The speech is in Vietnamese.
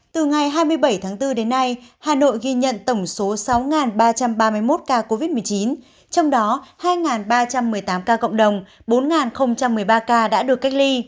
từ ngày hai mươi bảy tháng bốn đến nay hà nội ghi nhận tổng số sáu ba trăm ba mươi một ca covid một mươi chín trong đó hai ba trăm một mươi tám ca cộng đồng bốn một mươi ba ca đã được cách ly